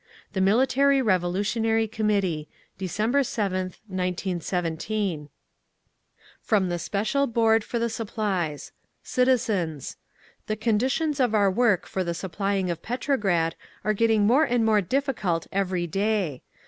The Military Revolutionary Committee. December 7th, 1917. From the Special Board for the Supplies CITIZENS "The conditions of our work for the supplying of Petrograd are getting more and more difficult every day.